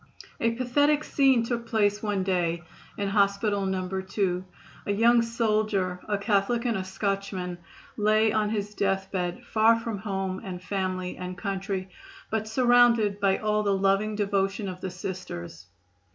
A pathetic scene took place one day in "hospital number two." A young soldier, a Catholic and a Scotchman, lay on his death bed, far from home and family and country, but surrounded by all the loving devotion of the Sisters.